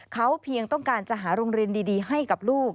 เขาเพียงต้องการจะหาโรงเรียนดีให้กับลูก